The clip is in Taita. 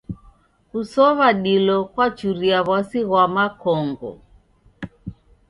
Kusow'a dilo kwachuria w'asi ghwa makongo.